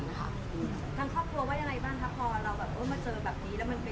ทางครอบครัวว่ายังไงบ้างคะพอเรามาเจอแบบนี้